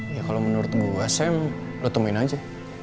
ya kalo menurut gua saya lo temuin aja